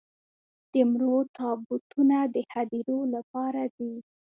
د مړو تابوتونه د هديرو لپاره دي.